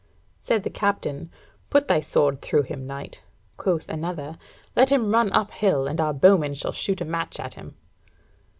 Said the Captain: "Put thy sword through him, knight." Quoth another: "Let him run up hill, and our bowmen shall shoot a match at him."